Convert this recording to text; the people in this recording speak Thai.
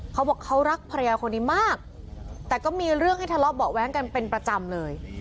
เขาบอกเขารักภรรยาคนนี้มากแต่ก็มีเรื่องให้ทะเลาะเบาะแว้งกันเป็นประจำเลย